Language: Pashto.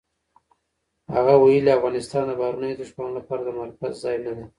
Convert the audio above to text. هغه ویلي، افغانستان د بهرنیو دښمنانو لپاره د مرکز ځای نه دی.